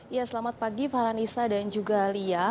ya selamat pagi para nisa dan juga lia